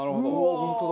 本当だ！